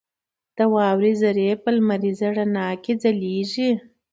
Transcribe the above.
• د واورې ذرې په لمریز رڼا کې ځلېږي.